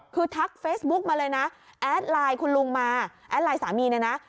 คือทักเฟซบุ๊กมาเลยนะแอดไลน์คุณลุงมาแอดไลน์สามีเนี่ยนะ